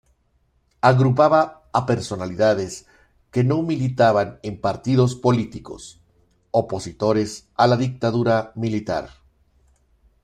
Agrupaba a personalidades que no militaban en partidos políticos, opositores a la dictadura militar.